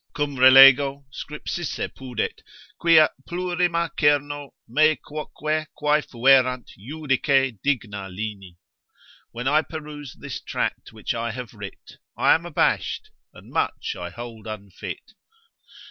Cum relego scripsisse pudet, quia plurima cerno Me quoque quae fuerant judice digna lini. When I peruse this tract which I have writ, I am abash'd, and much I hold unfit.